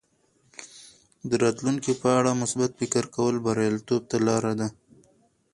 د راتلونکي په اړه مثبت فکر کول بریالیتوب ته لاره ده.